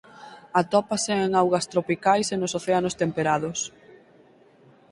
Atópase en augas tropicais e nos océanos temperados.